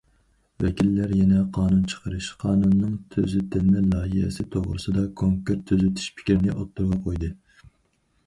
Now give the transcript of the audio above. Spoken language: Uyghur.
ۋەكىللەر يەنە قانۇن چىقىرىش قانۇنىنىڭ تۈزىتىلمە لايىھەسى توغرىسىدا كونكرېت تۈزىتىش پىكرىنى ئوتتۇرىغا قويدى.